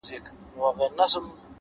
ستر فکر له محدودیتونو پورته وي،